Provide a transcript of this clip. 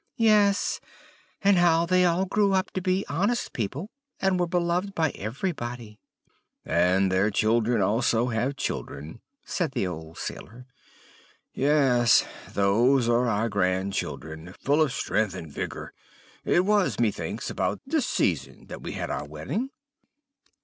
"'Yes, and how they all grew up to be honest people, and were beloved by everybody.' "'And their children also have children,' said the old sailor; 'yes, those are our grand children, full of strength and vigor. It was, methinks about this season that we had our wedding.'